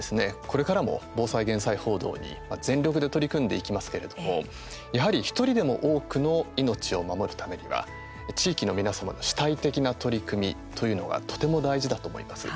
これからも防災・減災報道に全力で取り組んでいきますけれども、やはり１人でも多くの命を守るためには地域の皆様の主体的な取り組みというのがとても大事だと思います。